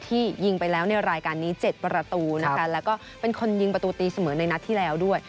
ยิงไปแล้วในรายการนี้๗ประตูนะคะแล้วก็เป็นคนยิงประตูตีเสมอในนัดที่แล้วด้วย